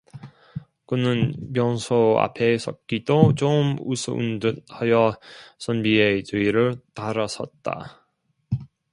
그는 변소 앞에 섰기도 좀 우스운듯 하여 선비의 뒤를 따라섰다.